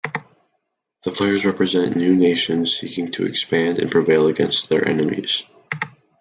The players represent new nations seeking to expand and prevail against their enemies.